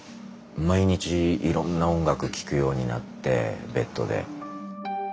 毎日いろんな音楽聴くようになってベッドで。